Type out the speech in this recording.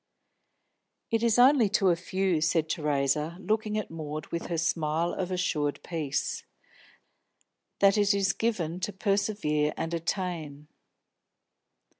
"It is only to few," said Theresa, looking at Maud with her smile of assured peace, "that it is given to persevere and attain."